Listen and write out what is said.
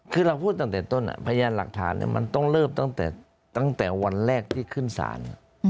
คือเราพูดตั้งแต่ต้นพยานหลักฐานมันต้องเริ่มตั้งแต่วันแรกที่ขึ้นศาล